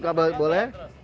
jari telunjuk boleh